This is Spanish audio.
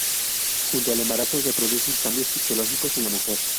Junto al embarazo se producen cambios fisiológicos en la mujer.